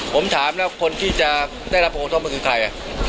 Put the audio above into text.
ผมถามแล้วคนที่จะได้รับโทษมันคือใครอะ